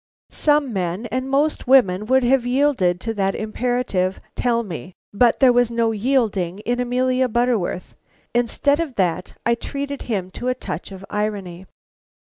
Some men and most women would have yielded to that imperative tell me! But there was no yielding in Amelia Butterworth. Instead of that I treated him to a touch of irony.